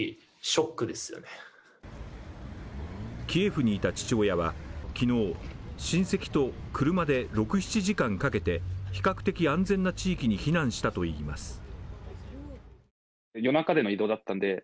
キエフにいた父親は昨日親戚と車で６７時間かけて比較的安全な地域に避難したといいます。